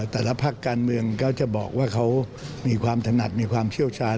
แต่ละภาคการเมืองก็จะบอกว่าเขามีความถนัดมีความเชี่ยวชาญ